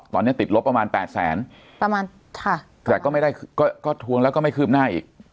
ตอนนี้ติดลบประมาณ๘๐๐๐๐บาทแต่ก็ไม่ได้ทวงแล้วก็ไม่คืบหน้าอีก